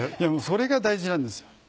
それが大事なんですよ。